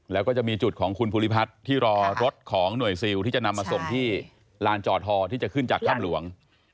แล้วก็จะมีจุดของคุณภูริพัฒน์ที่รอรถของหน่วยซิลที่จะนำมาส่งที่ลานจอทอที่จะขึ้นจากถ้ำหลวง